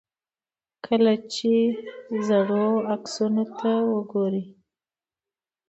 کله چې زاړو عکسونو ته ګورئ.